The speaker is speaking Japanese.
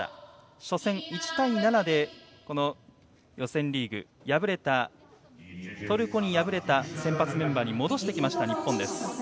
初戦、１対７で予選リーグ、トルコに敗れた先発メンバーに戻してきた日本。